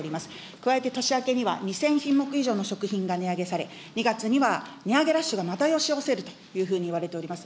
加えて年明けには、２０００品目以上の食品が値上げされ、２月には値上げラッシュがまた押し寄せるというふうにいわれております。